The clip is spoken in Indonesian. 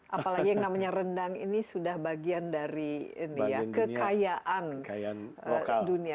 apalagi yang namanya rendang ini sudah bagian dari kekayaan dunia